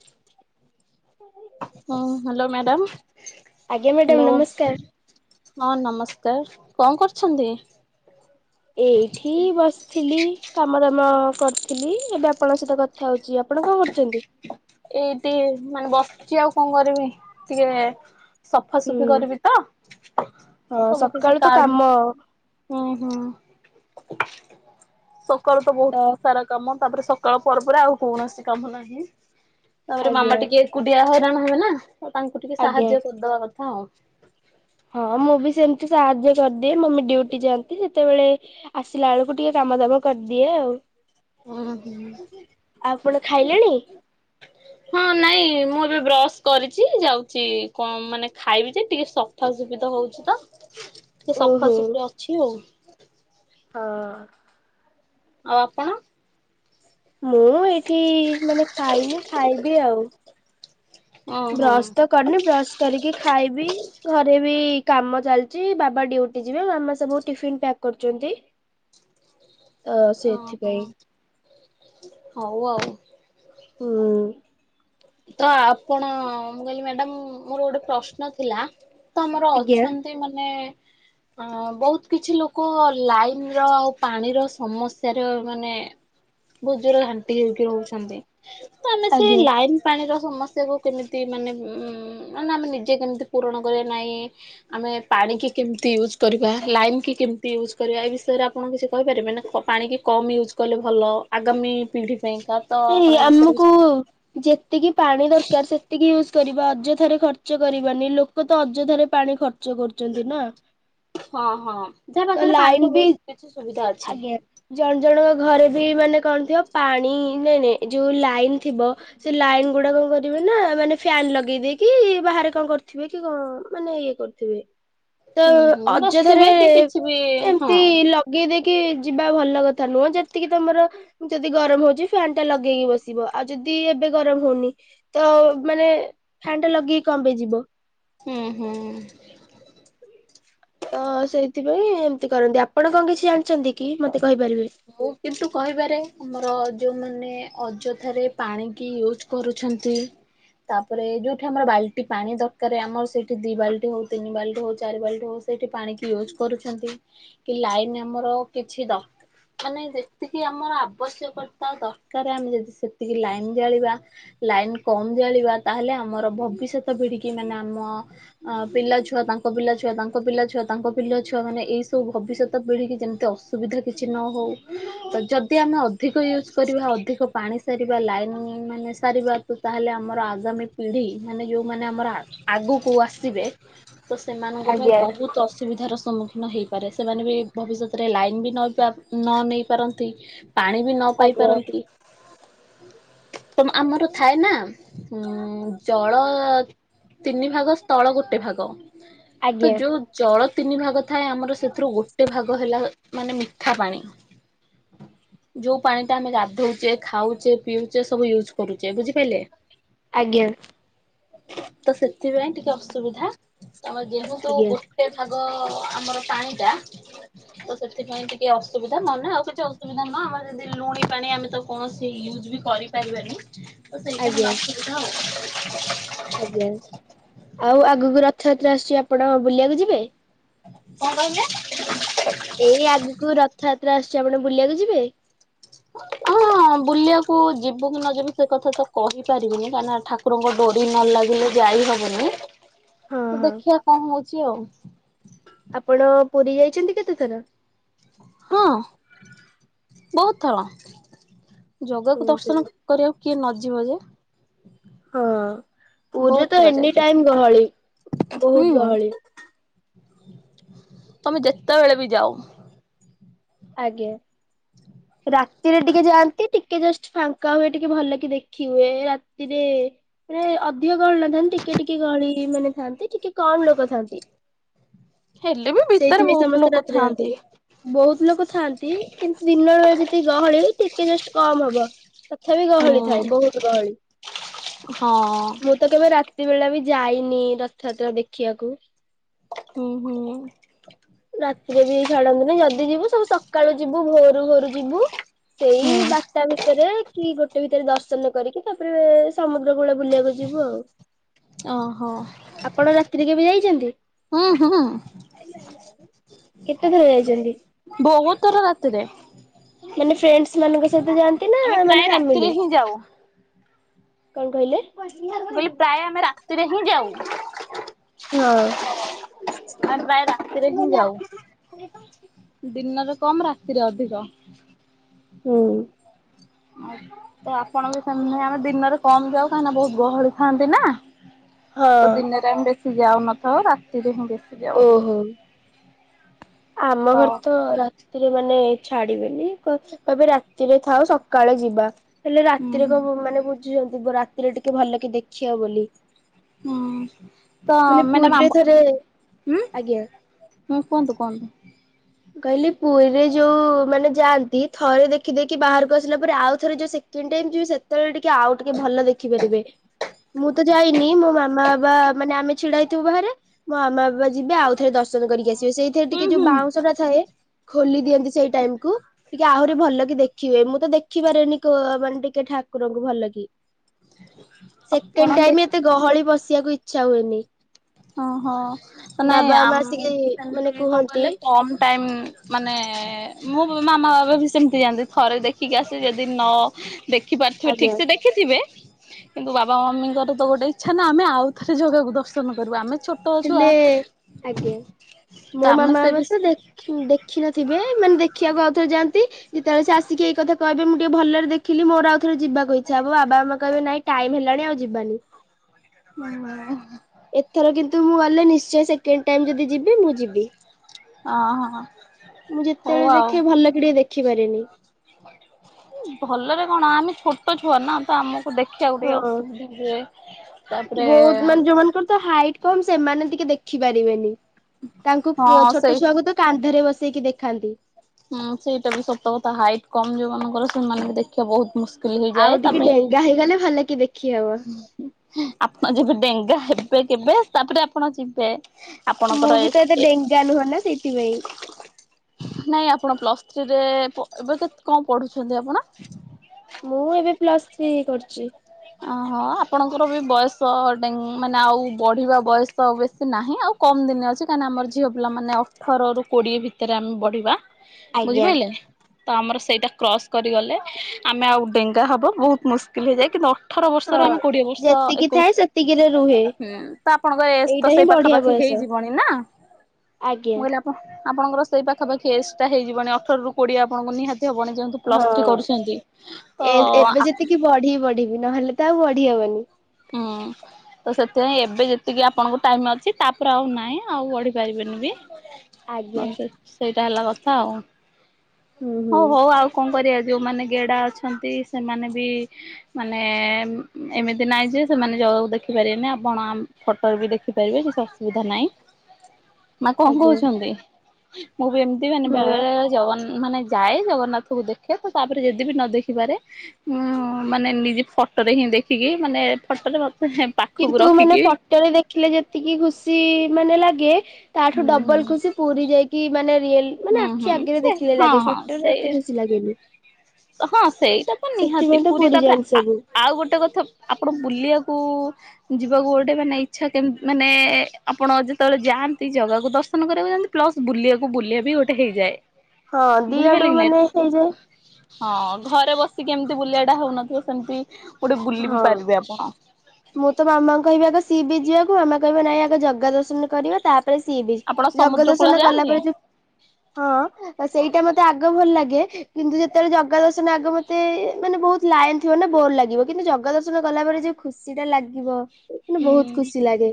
[inaudible] ହଁ hello madam. ଆଜ୍ଞା madam hello. ନମସ୍କାର। ହଁ ନମସ୍କାର କଣ କରୁଛନ୍ତି? ଏଇଠି ବସଥିଲି କାମ ଦାମ କରଥିଲି ଏବେ ଆପଣଙ୍କ ସହିତ କଥା ହଉଚି ଆପ ଆପଣ କଣ କରୁଚନ୍ତି? ଏଇଟି ମାନେ ବସଚି ଆଉ କଣ କରିବି ଟିକେ ହୁଁ ସଫାସୁଫି କରିବି ତ ହଁ ସବୁ କିଛି ସକାଳୁ ତ କାମ କାଢ଼ୁଛି। ହୁଁ ହୁଁ ସକାଳୁ ତ ଅ ବହୁତ ସାରା କାମ ତାପରେ ସକାଳ ପର ପରେ ଆଉ କୌଣସି କାମ ନାହିଁ ତାପରେ ମାମା ଆଜ୍ଞା ଟିକେ ଏକୁଟିଆ ହଇରାଣ ହେବେ ନା ତାଙ୍କୁ ଟିକେ ଆଜ୍ଞା। ସାହାଯ୍ୟ କରଦବା କଥା ଆଉ। ହଁ ମୁଁ ବି ସେମତି ସାହାଯ୍ୟ କରଦିଏ ମମି ଡ଼ିଉଟି ଯାଆନ୍ତି ଯେତେବେଳେ ଆସିଲା ବେଳକୁ ଟିକେ କାମ ଦାମ କରିଦିଏ ଆଉ। ଉଁ ହୁଁ ଆପଣ ଖାଇଲେଣି? ହଁ ନାଇଁ ମୁଁ ଏବେ ବ୍ରଶ କରିଚି ଯାଉଚି କଣ ମାନେ ଖାଇବି ଯେ ଟିକେ ସଫା ସୁୁଫି ତ ହଉଚି ତ ହ [unintelligible] ଟିକେ ସଫାସୁତରା ଅଛି ଆଉ। ହଁ। ଆଉ ଆପଣ? ମୁଁ ଏଇଠି ଇ ଇ ମାନେ ଖାଇନି ଖାଇବି ଆଉ। ଓହୋ ବ୍ରସ ତ କରନି ବ୍ରସ କରିକି ଖାଇବି। ଘରେ ବି କାମ ଚାଲଚି ବାବା ଡ଼ିଉଟି ଯିବେ ମାମା ସବୁ ଟିଫନ୍ ପ୍ୟାକ୍ କରୁଚନ୍ତି। ତ ଓହୋ ସେଇଥିପାଇଁ। ହଉ ଆଉ। ହୁଁ। ତ ଆପଣ ମୁଁ କହିଲି ମ୍ୟାଡାମ ମୋର ଗୋଟେ ପ୍ରଶ୍ନ ଥିଲା ତ ଆମର ଆଜ୍ଞା। ଅଛନ୍ତି ଅଛନ୍ତି ମାନେ ଅ ବହୁତ କିଛି ଲୋକ ଲାଇନ୍ ର ଆଉ ପାଣିର ସମସ୍ୟାରେ ମାନେ ବୋଝରେ ଘାଣ୍ଟି ହେଇକି ରହୁଛନ୍ତି। ତ ଆମେ ସେଇ ଆଜ୍ଞା ଲାଇନ୍ ପାଣିର ସମସ୍ୟାକୁ କେମିତି ମାନେ ଉଁ ଆମେ ନିଜେ କେମିତି ପୂରଣ କରିବା ନାଇଁ ଆମେ ପାଣି କି କେମିତି ୟୁଜ କରିବା ଲାଇନ୍ କି କେମିତି ୟୁଜ୍ କରିବା ଏ ବିଷୟରେ ଆପଣ କିଛି କହିପାରିବେ ନା ପାଣିକି କମ୍ ୟୁଜ୍ କଲେ ଭଲ ଆଗାମୀ ପିଢ଼ି ପାଇଁକା ତ ଏଇ ଆପଣ ଏ ବିଷୟରେ କି ଆମକୁ ଯେତିକି ପାଣି ଦରକାର ସେତିକି ୟୁଜ୍ କରିବା ଅଯଥାରେ ଖର୍ଚ୍ଚ ଖର୍ଚ୍ଚ କରିବାନି ଲୋକ ତ ଅଯଥାରେ ପାଣି ଖର୍ଚ୍ଚ କରୁଚନ୍ତି ନା ହଁ ହଁ ଯାହା ତ ପାଖରେ ପାଣିର ଲାଇନ୍ ବି ବହୁତ କିଛି ସୁବିଧା ଅଛି। ଆଜ୍ଞା। ଜଣ ଜଣଙ୍କ ଘରେ ବି ମାନେ କଣ ଥିବ ପାଣି ନାଇଁ ନାଇଁ ଯୋଉ ଲାଇନ୍ ଥିବ ସେ ଲାଇନ୍ ଗୁଡା କଣ କରିବେ ନା ମାନେ ଫ୍ୟାନ ଲଗେଇ ଦେଇକି ବାହାରେ କଣ କରୁଥିବେ। କି କଣ ମାନେ ଇଏ କରୁଥିବେ। ତ ହୁଁ ହୁଁ ଅଯଥାରେ ବସିଥିବେ କି କିଛି ବି ହଁ ଏମିତି ଲ ଲଗେଇ ଦେଇକି ଯିବା ଭଲ କଥା ନୁହଁ। ଯେତିକି ତମର ଯଦି ଗରମ ହୋଉଛି ଫ୍ୟାନ ଟା ଲଗେଇକି ବସିବ ଆଉ ଯଦି ଏବେ ଗରମ ହୋଉନି ତ ମାନେ ଫ୍ୟାନ୍ ଟା ଲଗେଇକି କପାଇଁ ଯିବ। ହୁଁ ହୁଁ। ତ ସେଇଥିପାଇଁ ଏମିତି କରନ୍ତି ଆପଣ କଣ କିଛି ଜାଣିଛନ୍ତି କି ମତେ କହିପାରିବେ। ମୁଁ କିନ୍ତୁ କହିବାରେ ଆମର ଯୋଉମାନେ ଅଯଥାରେ ପାଣି କି ୟୁଜ କରୁଛନ୍ତି ତାପରେ ଯୋଉଠି ଆମର ବାଲ୍ଟି ପାଣି ଦରକାର ଆମର ସେଠି ଦି ବାଲ୍ଟି ହୋଉ ତିନି ବାଲ୍ଟି ହୋଉ ଚାରି ବାଲ୍ଟି ହୋଉ ସେଇଠି ପାଣ କିି ୟୁଜ୍ କରୁଛନ୍ତି କି ଲାଇନ୍ ଆମର କିଛି ଦ ମାନେ ଯେତିକି ଆମର ଆବଶ୍ୟକତା ଦରକାର ଆମେ ଯଦି ସେତିକି ଲାଇନ ଜାଳିବା ଲାଇନ୍ କମ୍ ଜାଳିବା ତାହେଲେ ଆମର ଭବିଷ୍ୟତ ପିଢିକି ମାନେ ଆମ ଅ ପିଲା ଛୁଆ ତାଙ୍କ ପିଲା ଛୁଆ ତାଙ୍କ ପିଲା ଛୁଆ ତାଙ୍କ ପିଲାଛୁଆ ମାନେ ଏଇଭବିଷ୍ୟତ ପିଢିକି ଯେମିତି ଅସୁ ସୁବିଧା କିଛି ନ ହୋଉ ହୁଁ ତ ଯଦି ଆମେ ଅଧିକ ୟୁଜ୍ କରିବା ଅଧିକ ପାଣି ସାରିବା ଲାଇନ୍ ମାନେ ସାରିବା ତ ତାହେଲେ ଆମର ଆଗାମୀ ପିଢି ମାନେ ଯୋଉମାନେ ଆମର ଆଗକୁ ଆସିବେ ତ ସେମାନଙ୍କ ପାଇଁ ଆଜ୍ଞା। ବହୁତ୍ ଅସୁବିଧାର ସମ୍ମୁଖୀନ ହେଇପାରେ ସେମାନେ ବି ଭବିଷ୍ୟତରେ ଲାଇନ ବି ନବା ନ ନେଇ ପାରନ୍ତି ପାଣି ବି ନ ପାଇ ଆଜ୍ଞା ପାରନ୍ତି। ତ ଆମର ଥାଏ ନା ଉଁ ଜଳ ତିନି ଭାଗ ସ୍ଥଳ ଗୋଟେ ଭାଗ ତ ଆଜ୍ଞା। ଯୋଉ ଜଳ ତିନି ଭାଗ ଥାଏ ଆମର ସେଥିରୁ ଗୋଟେ ଭାଗ ହେଲା ମାନେ ମିଠା ପାଣି। ଯୋଉ ପାଣି ଟା ଆମେ ଗାଧୋଉଛେ ଖାଉଛେ ପିଉଛେ ସବୁ ୟୁଜ୍ କରୁଛେ ବୁଝିପାରିଲେ ଆଜ୍ଞା ତ ସେଥିପାଇଁ ଟିକେ ଅସୁବିଧା ଆମର ଯେହେତୁ ବୁ ଆଜ୍ଞା ଗୋଟେ ଭାଗ ଆମର ପାଣି ଟା ତ ସେଥିପାଇଁ ଟିକେ ଅସୁ ସୁୁବିଧା ନହେଲେ ଆଉ କିଛି ଅସୁବିଧା ନୁହଁ ଆମର ଯେମିତି ଲୁଣି ପାଣି ଆମେ ତ କୌଣସି ୟୁଜ ବି କରିପାରିବାନି ତ ସେଇଟା ଆଜ୍ଞା ହେଲା ଅସୁବିଧା। ଆଜ୍ଞା ଆଉ ଆଗୁକୁ ରଥଯାତ୍ରା ଆସୁଛି ଆପଣ ବୁଲିବାକୁ ଯିବେ। କଣ କହିଲେ? ଏଇ ଆଗକୁ ରଥଯାତ୍ରା ଆସୁଚି ଆପଣ ବୁଲିବାକୁ ଯିବେ। ହଁ ହଁ ବୁଲିବାକୁ ଯିବୁ କି ନ ଯିବୁ ସେ କଥା ତ କହିପାରିବୁନି। କାହିଁକିନା ଠା [inaudible] ଡୋରି ହଁ ନ ଲାଗିଲେ ଯାଇ ହବନି ହଁ ହଁ। ଦେଖିଆ କଣ ହଉଛି ଆଉ। ଆପଣ ପୁରୀ ଯାଇଛନ୍ତି କେତେଥର? ହଁ ବହୁତ ଥର ହଁ ଜଗାକୁ ଦର୍ଶନ କରିବାକୁ କିଏ ନଯିବ ଯେ। ହଁ ପୁରୀରେ ବହୁତ ତ ଥର ଏନି ଯାଇଛୁ ଟାଇମ ଗହଳି ବହୁତ ହୁଁ ଗହଳି। ତମେ ଯେତେବେଳେ ବି ଯାଓ। ଆଜ୍ଞା। ରାତିରେ ଟିକେ ଯାଆନ୍ତି ଟିକେ ଜଷ୍ଟ ଫାଙ୍କା ହୁଏ ଟିକେ ଭଲ କି ଦେଖି ହୁଏ ରାତିରେ। ରେ ଅଧିକ ଗହଳି ନଥାନ୍ତି ଟିକେ ଟିକେ ଗହଳି ମାନେ ଥାନ୍ତି ଟିକେ। କମ୍ ଲୋକ ଥାନ୍ତି ହେଲେ ବି ଭିତରେ ସେଇଥିପାଇଁ ବହୁତ ସମସ୍ତେ ଲୋକ ରାତିରେ ଯାଆନ୍ତି। ଥାଆନ୍ତି ବହୁତ ଲୋକ ଥାଆନ୍ତି କିନ୍ତୁ ଦିନବେଳେ ଯେତିକି ଗହଳି ଟିକେ ଜଷ୍ଟ କମ ହବ। ତଥାପି ହୁଁ ଗହଳି ଥାଏ ବହୁତ ଗହଳି ହଁ ମୁଁ ତ କେବେ ରାତି ବେଳା ବି ଯାଇନି ରଥଯାତ୍ରା ଦେଖିବାକୁ। ହୁଁ ହୁଁ। ରାତିରେ ବି ଛାଡ଼ନ୍ତି ନେଇ ଯଦି ଯିବୁ ସବୁ ସକାଳୁ ଯିବୁ ଭୋରୁ ଭୋରୁ ଯିବୁ। ସେଇ ହୁଁ ବାରଟା ଭିତରେ କି ଗୋ ସେଇ ଭିତରେ ଦର୍ଶନ କରିକି ତାପରେ ସମୁଦ୍ର କୂଳ ବୁଲିବାକୁ ଯିବୁ ଆଉ। ଓହୋ ଆପଣ ରାତିରେ କେବେ ଯାଇଚନ୍ତି? ହୁଁ ହୁଁ [unintelligible] କେତେଥର ଯାଇଛନ୍ତି? ବହୁତ ଥର ରାତିରେ। ମାନେ ଫ୍ରେଣ୍ଡ ମାନଙ୍କ ସହିତ ଯାଆନ୍ତି ନା ଆମେ ମାନେ ପ୍ରାୟ ରାତିରେ ଫାମିଲି। ହିଁ ଯାଉ କଣ କହିଲେ? କହିଲି ପ୍ରାଏ ଆମେ ରାତିରେ ହିଁ ଯାଉ। ହଁ [unintelligible] କେ ପ୍ରାଏ ରାତିରେ ହିଁ ଯାଉ। ଦିନରେ କମ୍ ରାତିରେ ଅଧିକ। ହୁଁ। ଆ ତ ଆପଣ ବି ସେମି ଆମେ ଦିନରେ କମ ଯାଉ କାହିଁକିନା ବହୁତ ଗହଳି ଥାଆନ୍ତି ନା। ହଁ ତ ଦିନରେ ଆମେ ବେଶୀ ଯାଉନଥାଉ ରାତିରେ ହିଁ ବେଶୀ। ଯାଉ ଓହୋ। ଆମ ଘରେ ତ ରା ରାତିରେ ମାନେ ଛାଡିବେନି କ କହିବେ ରାତିରେ ଥାଉ ସକାଳେ ଯିବା। ହେଲେ ହୁଁ ରାତିରେ ହୁଁ କ ମାନେ ବୁଝୁଚନ୍ତି ରାତିରେ ଟିକେ ଭଲ କି ଦେଖିବା ବୋଲି। ହୁଁ ତ ମାନେ ମ୍ୟାଡମ ପୁରୀରେ ଆମ୍ବ ଥରେ ଉଁ। ଆଜ୍ଞା ହୁଁ କୁହନ୍ତୁ କୁହନ୍ତୁ। କହିଲି ପୁରୀରେ ଯୋଉମାନେ ଯାଆନ୍ତି ଥରେ ଦେଖି ଦେଖି ବାହାରକୁ ଆସିଲା ପରେ ଆଉ ଥରେ ଯୋଉ ସେ [unintelligible] ଯୋ ସେତେବେଳେ ଟିକେ ଆଉ ଟିକେ ଭଲ ଦେଖିପାରିବେ। ମୁଁ ତ ଯାଇନି ମୋ ମାମା ବାବା। ମାନେ ଆମେ ଛିଡ଼ା ହେଇଥିବୁ ବାହାରେ ମୋ ମାମା ବାପା ଯିବେ ଆଉଥରେ ଦର୍ଶନ କରିକି ଆସିବେ ସେଇଥିରେ ହୁଁ ଟିକେ ଯୋଉ ହୁଁ ବାଉଁଶଟା [inaudible] ଖୋଲି ଦିଅନ୍ତି ସେଇ ଟାଇମକୁ ଟିକେ ଆହୁରି ଭଲ କି ଦେଖି। ଏ ମୁଁ ତ ଦେଖିପାରେନି କୋ ମାନେ ଟିକେ ଠାକୁରଙ୍କୁ ଭଲ କି। ଆପଣ ସେକେଣ୍ଡ ଦେ ଟାଇମ ଏତେ ଗହଳି ବଶିବାକୁ ଇଚ୍ଛା ହୁଏନି। ହିଁ ହିଁ ନାଇଁ ବାବା ମା ଆମକୁ ଆସିକି [unintelligible] ମାନେ କଣ କୁହନ୍ତି କଲେ କମ ଟାଇମ। ମାନେ ମୋ ମାମା ବାପ ବି ସେମିତି ଯାଆନ୍ତି। ଥରେ ଦେଖିକି ଆସିବେ ଯଦି ନ ଦେଖି ପାରୁଥିବେ ଠିକ୍ ଆଜ୍ଞା ସେ ଦେଖ ଦେଖିଥିବେ, କିନ୍ତୁ ବାବା ମମିଙ୍କର ତ ଗୋଟେ ଇଛା ନା ଆମେ ଆଉ ଥରେ ଜଗାକୁ ଦର୍ଶନ କରିବୁ। ଆମେ ଛୋଟ ହେଲେ, ଛୁଆ ଆଜ୍ଞା। ତ ମୋ ଆମେ ମାମା ସେ ବାବା ବି ତ ଦେଖ ଖି ଦେଖିନଥିବେ ମାନେ ଦେଖିବାକୁ ଆଉଥରେ ଯାଆନ୍ତି। ଯେତେବେଳେ ସେ ଆସିକି ଏଇ କଥା କହିବେ ମୁଁ ଟିକେ ଭଲରେ ଦେଖିଲି ମୋର ଆଉ ଥରେ ଯିବାକୁ ଇଛା ହବ। ମୋ ବାବା ମାମା କହିବେ ନାଇଁ ଟାଇମ ହେଲାଣି ଆଉ ଯିବାନି। ହୁ [unintelligible] ଏଥର କିନ୍ତୁ ମୁଁ ଗଲେ ନିଶ୍ଚୟ ସେକେଣ୍ଡ ଟାଇମ ଯଦି ଯିବି ମୁଁ ଯିବି। ଓହୋ ମୁଁ ହଉ ଯେତେବେଳେ ଆଉ ଦେଖେ ଭଲ କି ଟିକେ ଦେଖି ପାରେନି। ଭଲରେ କଣ ଆମେ ଛୋଟ ଛୁଆ ନା ତ ଆମକୁ ଦେଖିବାକୁ ଟିକେ ହଁ। ଅସୁବିଧା ହୁଏ। ତାପରେ ତୁ ତ ତୋ ହାଇଟ୍ କମ ସେମାନେ ଟିକେ ଦେଖି ପାରିବେନି। ତାଙ୍କୁ ହଁ ସେଇ ଛୋଟ ଛୁଆଙ୍କୁ ତ କାନ୍ଧରେ ବସ ସେଇକି ଦେଖାନ୍ତି। ହୁଁ ସେଇଟା ବି ସତ କଥା ହାଇଟ୍ କମ ଯୋଉ ମାନଙ୍କର ସେମାନଙ୍କୁ ଦେଖିବା ବହୁତ ମୁସ୍ କୁଲି ଆଉ ହେଇଯାଏ ତା ଟିକେ ପାଇଁ ଡେଙ୍ଗା ହେଇଗଲେ ଭଲ କି ଦେଖି ହବ। ଆପଣ ଯବେ ଡେଙ୍ଗା ହେବେ କେବେ ତାପରେ ଆପଣ ଯିବେ। ମୁଁ ଆପଣଙ୍କର ଏ ବି ତ ଏତେ ଏ ଡେଙ୍ଗା ନୁହଁ ନା ସେଇଥିପାଇଁ। ନାଇଁ ଆପଣ ପ୍ଲସ୍ ଥ୍ରୀ ରେ, ଏବେ ତ କଣ ପଢୁଛନ୍ତି ଆପଣ? ମୁଁ ଏବେ ପ୍ଲସ ଥ୍ରୀ କରୁଛି। ଅହଁ ଆପଣଙ୍କର ବି ବୟସ ଡେ ମାନେ ଆଉ ବଢିବା ବୟସ ବେଶୀ ନାହିଁ ଆଉ। କମ ଦିନି ଅଛି କାହିଁକି ଆମର ଝିଅ ପିଲା ମାନେ ଅଠର ରୁ କୋଡିଏ ଭିତରେ ଆମେ ବଢିବା। ଆଜ୍ଞା। ବୁଝିପାଇଲେ? ତ ଆମର ସେଇଟା କ୍ରସ୍ କରିଗଲେ ଆମେ ଆଉ ଡେଙ୍ଗା ହେବା ବହୁତ ମୁସ୍କିଲ୍ ହେଇଯାଏ କିନ୍ତୁ ଅଠର ବର୍ଷରୁ ହଁ। ଆମେ କୋଡିଏ ବର୍ଷ ଯେତିକି ଥାଏ ଏକୋଇଶ ସେତିକିରେ ରୁହେ ହୁଁ ତ ଆପଣଙ୍କ ଏଜ୍‌ ଏଇଟା ତ ହିଁ ସେଇ ବଢିଆ ପାଖାପାଖି ବୟସ ହେଇଯିବ। ବଣୀ ନା? ଆଜ୍ଞା। ମୁ କହିଲି ଆପଣ ଆପଣଙ୍କର ସେଇ ପାଖପାଖି ଏଜ୍‌ଟା ହେଇଯିବଣି। ଅଠରରୁ କୋଡିଏ ଆପଣଙ୍କୁ ନିହାତି ହବଣି [inaudible] ହଁ। ପ୍ଲସ୍ ଥ୍ରୀ କରୁଛନ୍ତି ତ ଏ ଏବେ ଆ [unintelligible] ବଢିବି ନହଲେ ତ ଆଉ ବଢି ହବନି। ହୁଁ ତ ସେଥିପାଇଁ ଏବେ ଯେତିକି ଆପଣଙ୍କୁ ଟାଇମ ଅଛି ତାପରେ ଆଉ ନହିଁ। ଆଉ ବଢି ପାରିବେନି ବି। ଆଜ୍ଞା। ସେଇଟା ହେଲା କଥା ଆଉ। ହୁଁ ହୁଁ ହଉ ହଉ ଆଉ କଣ କରିବା। ଯୋଉମାନେ ଗେଡା ଅଛନ୍ତି ସେମାନେ ବି ମାନେ, ଏମିତି ନାହିଁ ଯେ ସେମାନେ ଜଗାକୁ ଦେଖିପାରିବେନି। ଆପଣ ଫଟୋରେ ବି ଦେଖିପାରିବେ କିଛି ଅସୁବିଧା ନାହିଁ। [inaudible] ନା କଣ କହୁଛନ୍ତି? ମୁଁ ବି ଏମତି ମାନେ ନା। ବେଳେ ବେଳେ ମାନେ ଜଗନ ମାନେ ଯାଏ, ଜଗନ୍ନାଥଙ୍କୁ ଦେଖେ, ତ ତାପରେ ଯଦି ବିି ନ ଦେଖିପାରେ ଉଁ ମାନେ ନିଜେ ଫଟୋ ରେ ହିଁ ଦେଖିଦିଏ। ମାନେ ଫଟୋରେ ମତେ ପାଖକୁ କିନ୍ତୁ ମାନେ ରଖିକି ଫଟୋରେ ଦେଖିଲେ ଯେତିକି ଖୁସି ମାନେ ଲାଗେ ହୁଁ ତାଠୁ ହୁଁ ଡବଲ୍ ଖୁସି ପୁରୀ ଯାଇକି ମାନେ ରିଏଲ ମାନେ ହୁଁ ଆଖି ହୁଁ ଆଗିରେ ସେ ଦେଖିଲେ ହଁ ଲାଗେ। ହଁ ଫଟୋ ରେ ଏତେ ସେଇ ଖୁସି ଲାଗେନି। ି [unintelligible] ହଁ ସେଇଟା ତ ନିହାତି। ତ ପୁରୀ ତାପରେ ଯାଆନ୍ତି ଆ ସବୁ ଆଉ ଗୋଟେ କଥା ଆପଣ ବୁଲିଆକୁ ଯିବାକୁ ଗୋଟେ ମାନେ ଇଚ୍ଛା କେମତି ମାନେ ଆପଣ ଯେତେବେଳେ ଯାଆନ୍ତି ଜାଗାକୁ ଦର୍ଶନ କରିବାକୁ ଯାନ୍ତି। ପ୍ଲସ ବୁଲିବାକୁ ବୁଲିବା ବି ଗୋଟେ ହେଇଯାଏ। ହଁ ଦିଆଡୁ ବୁଝିପାରିଲେ କି ନାଇଁ ମାନେ ହେଇଯାଏ। ହଁ ଘରେ ବସିକି ଏମିତି ବୁଲିବା ଟା ହଉନଥିବ ସେମିତି ଗୋଟେ ବୁଲି ବିି ହଁ। ପାରିବେ ଆପଣ। ମୁଁ ତ ମାମା କହି ଆଗ ସିଏ ବି ଯିବାକୁ ମାମା କହିବ ନାଇଁ ଆଗ ଜଗା ଦର୍ଶନ କରିବା ତା ତା ସିଏ ବି ଆପଣ ଜଗ ସମୁଦ୍ର କୂଳ ଦର୍ଶନ କଲା ଯାଆନ୍ତି ପରେ ଯୋଉ ହଁ ସେଇଟା ମତେ ଆଗ ଭଲ ଲାଗେ। କିନ୍ତୁ ଯେତେବେଳେ ଜଗା ଦର୍ଶନ ଆଗ ମତେ ମାନେ ବହୁତ ଲାଇନ୍ ଥିବ ନା ବୋର ଲାଗିବ। କିନ୍ତୁ ଜଗ ଦର୍ଶନ କଲା ପରେ ଯୋଉ ଖୁସି ଟା ଲାଗିବ। ମ ହୁଁ ବହୁତ ଖୁସି ଲାଗେ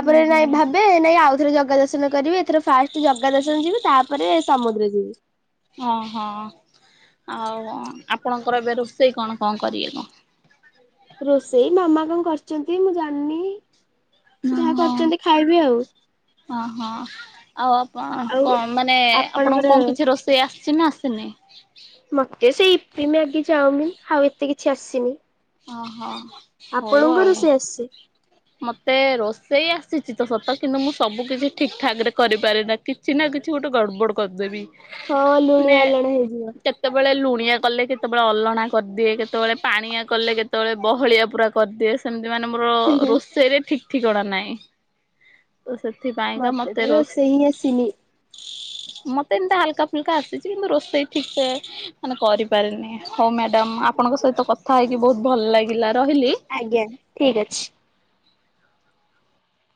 ହୁଁ ନାଇଁ ହୁଁ ଭା ନାଇଁ ଆଉଥରେ ଜଗା ଦର୍ଶନ କରିବି ଏଥର ଫାଷ୍ଟ ଜଗା ଦର୍ଶନ ଯିବି ତାପରେ ସମୁଦ୍ର ଯିବି। ଓହଁ ଆଉ ଆପଣଙ୍କର ଏବେ ରୋଷେଇ କଣ କଣ କରିବେ? ରୋଷେଇ ମାମା କଣ କରିଛନ୍ତି ମୁଁ ଜାଣିନି। ଯାହା କରିଛନ୍ତି ଖାଇବି ଆଉ। ଓ ହୋ ଆଉ ଆପଣ ଆଉ କଣ ମାନେ ଆପଣଙ୍କୁ କଣ ଆପଣଙ୍କର କିଛି ରୋଷେଇ ଆସିଛି ନା ଆସିନି। ମତେ ସେଇଇି ମ୍ୟାଗି ଚାାଉମିିନ ଆଉ ଏତେ କିଛି ଆସିନି। ଓହୋ ହଉ ଆପଣଙ୍କ ଆଉ ରୋଷେଇ ଆସିଛି? ମତେ ରୋଷେଇ ଆସିଛି ତ ସତ କିନ୍ତୁ ମୁଁ ସବୁ କିଛି ଠିକ ଠାକ ରେ କରିପାରେନା। ଚିନା କିଛି ଗୋଟେ ଗଡ଼ବଡ଼ କରିଦେବି। ହଁ ଲୁଣିଆ ମାନେ ଆଲାଣା ହେଇଯିବ। କେତେବେଳେ ଲୁଣିଆ କଲେ, କେତେବେଳେ ଅଲଣା କରିଦିଏ, କେତେବେଳେ ପାଣିଆ କଲେ କେତେବେଳେ ବହଳିଆ ପୁରା କରିଦିଏ, ସେମିତି ମାନେ ମୋର ରୋଷେଇରେ ଠିକ୍ ଠିକଣା ନାହିଁ। ତ ସେଥିପାଇଁ ମତେ ତ ରୋଷେଇ ହି ଆସିିନି। ମତେ ଏମିତା ହାଲକା ଫୁଲକା ଆସିଛି, କିନ୍ତୁ ରୋଷେଇ ଠିକ ସେ, ମାନେ କରିପାରେନି। ହମ ମ୍ୟାଡ଼ାମ୍ ଆପଣଙ୍କ ସହିତ କଥା ହେଇକି ବହୁତ ଭଲ ଲାଗିଲା, ରହିଲି। ଆଜ୍ଞା, ଠିକ୍ ଅଛି।